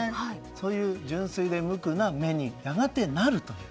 そういう純粋で無垢な目にやがてなる。